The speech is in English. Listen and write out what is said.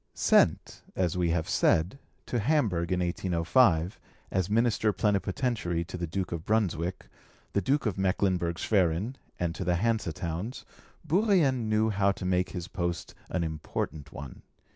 Sent, as we have said, to Hamburg in 1805, as Minister Plenipotentiary to the Duke of Brunswick, the Duke of Mecklenburg Schwerin, and to the Hanse towns, Bourrienne knew how to make his post an important one.